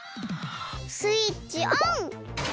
スイッチオン！